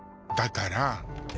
だから。